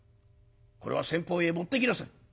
これは先方へ持っていきなさい」。